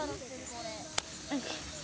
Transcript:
よいしょ。